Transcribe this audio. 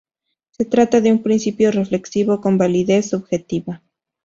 Se trata de un principio reflexivo, con validez subjetiva.